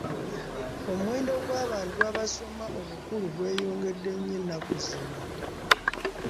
Omuwendo gw'abantu abasoma obukulu gwe yongedde nnyo ennaku zino.